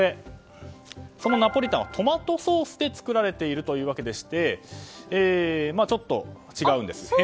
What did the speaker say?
そのナポリタンはトマトソースで作られているわけでしてちょっと違うんです。